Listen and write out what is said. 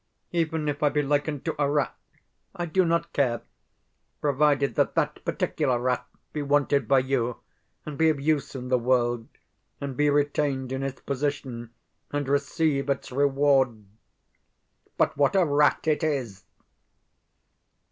Even if I be likened to a rat, I do not care, provided that that particular rat be wanted by you, and be of use in the world, and be retained in its position, and receive its reward. But what a rat it is!